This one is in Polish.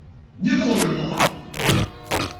"Nie wolno wam!"